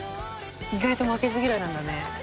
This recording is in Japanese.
「意外と負けず嫌いなんだね」